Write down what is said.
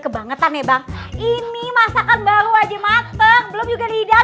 kebangetan ini masakan baru aja mateng belum juga